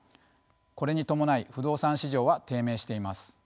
これに伴い不動産市場は低迷しています。